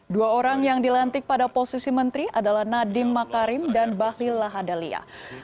dua orang yang dilantik pada posisi menteri adalah nadiem makarim dan bahlil lahadalia